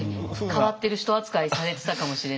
変わってる人扱いされてたかもしれないですよね。